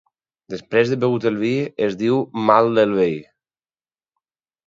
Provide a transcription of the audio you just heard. Després de begut el vi, es diu mal del veí.